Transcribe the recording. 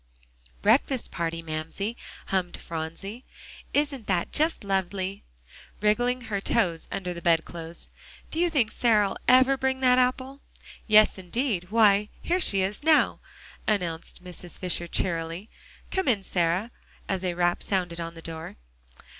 "Breakfast party, Mamsie!" hummed Phronsie; "isn't that just lovely?" wriggling her toes under the bed clothes. "Do you think Sarah'll ever bring that apple?" "Yes, indeed why, here she is now!" announced Mrs. Fisher cheerily. "Come in, Sarah," as a rap sounded on the door.